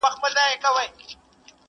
خو چوپتيا لا درنه ده تل